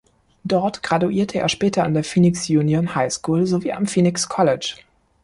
Dort graduierte er später an der "Phoenix Union High School" sowie am "Phoenix College".